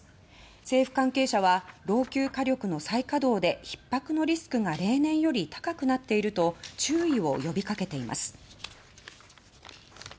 政府関係者は老朽化力の再稼働でひっ迫のリスクが例年より高くなっていると注意を呼びかけています。